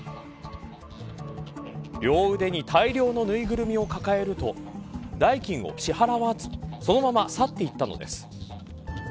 両腕に大量のぬいぐるみを抱えると代金を支払わずそのまま去っていったのです。